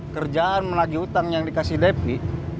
kerjaan menagih utang yang dikasih depli